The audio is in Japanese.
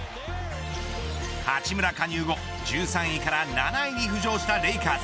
八村加入後、１３位から７位に浮上したレイカーズ。